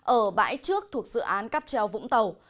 ở bãi trước thuộc dự án cắp treo vũng tàu